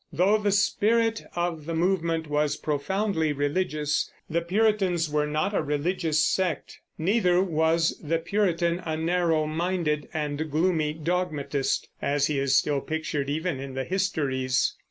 Though the spirit of the movement was profoundly religious, the Puritans were not a religious sect; neither was the Puritan a narrow minded and gloomy dogmatist, as he is still pictured even in the histories.